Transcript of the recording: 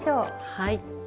はい。